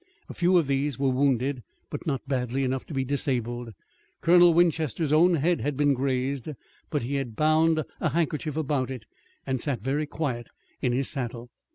A few of these were wounded, but not badly enough to be disabled. Colonel Winchester's own head had been grazed, but he had bound a handkerchief about it, and sat very quiet in his saddle.